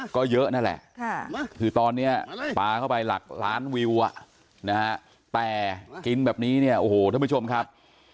ก็เยอะนั่นแหละคือตอนนี้ปลาเข้าไปหลักร้านวิวแต่กินแบบนี้ทุกผู้ชมครับ